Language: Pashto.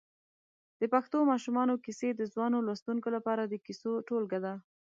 د پښتو ماشومانو کیسې د ځوانو لوستونکو لپاره د کیسو ټولګه ده.